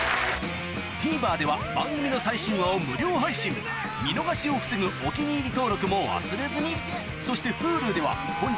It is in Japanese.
ＴＶｅｒでは番組の最新話を無料配信見逃しを防ぐ「お気に入り」登録も忘れずにそしてＨｕｌｕでは本日の放送も過去の放送も配信中